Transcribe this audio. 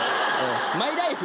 「マイライフ」